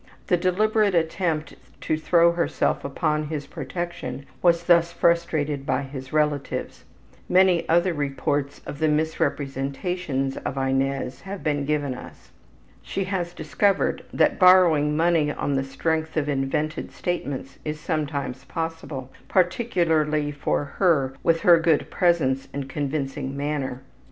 The deliberate attempt to throw herself upon his protection was thus frustrated by his relatives. Many other reports of the misrepresentations of Inez have been given us. She has discovered that borrowing money on the strength of invented statements is sometimes possible, particularly for her with her good presence and convincing manner.